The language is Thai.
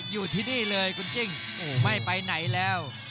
อยู่ที่นี่เลยคุณจิ้งไม่ไปไหนแล้ว